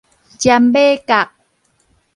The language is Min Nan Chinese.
占買角